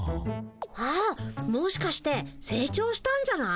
あもしかしてせい長したんじゃない？